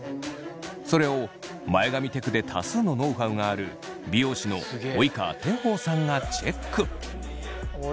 それを前髪テクで多数のノウハウがある美容師の及川天和さんがチェック。